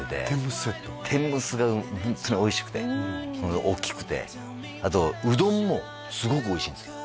天むすがホントにおいしくておっきくてあとうどんもすごくおいしいんですよ